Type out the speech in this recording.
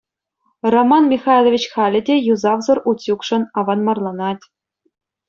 Роман Михайлович халӗ те юсавсӑр утюгшӑн аванмарланать.